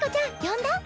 呼んだ？